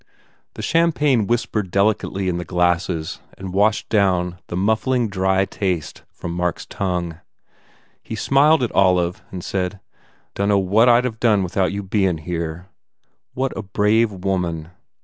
The champagne whispered delicately in the glasses and washed down the muffling, dry taste 254 THE IDOLATER from Mark s tongue. He smiled at Olive and said, "Dunno what I d have done without you bein here." What a brave woman!